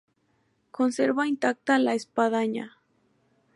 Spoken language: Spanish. Conserva intacta la espadaña.